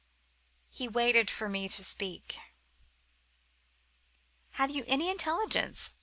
He waited for me to speak. "'Have you any intelligence?